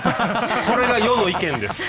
これが世の意見です。